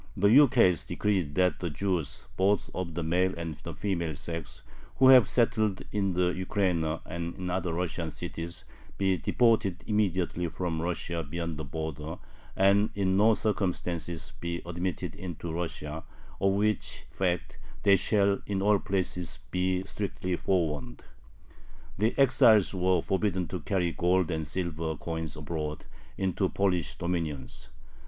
The ukase decreed that "the Jews, both of the male and the female sex, who have settled in the Ukraina and in other Russian cities, be deported immediately from Russia beyond the border, and in no circumstances be admitted into Russia, of which fact they shall in all places be strictly forewarned." The exiles were forbidden to carry gold and silver coins abroad, into the Polish dominions.